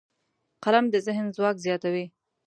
قلم د ذهن ځواک زیاتوي